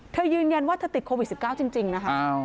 ยืนยันว่าเธอติดโควิด๑๙จริงนะคะ